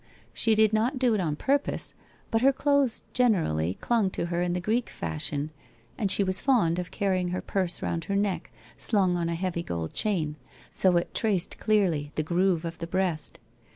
She did not do it on purpose, but her clothes generally clung to her in the Greek fashion, and she was fond of carrying her purse round her neck slung on a heavy gold chain, so that it traced clearly the groove of the breast.